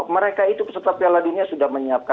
mereka itu peserta piala dunia sudah menyiapkan